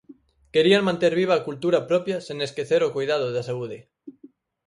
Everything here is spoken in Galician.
Querían manter viva a cultura propia sen esquecer o coidado da saúde.